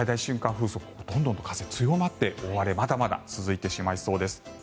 風速どんどん風強まって、大荒れまだ続いてしまいそうです。